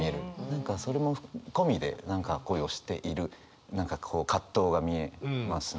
何かそれも込みで何か恋をしている何かこう葛藤が見えますね。